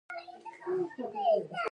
پزه یاد ساتي.